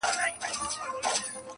اوس د میني ځای نیولی سپین او سرو دی,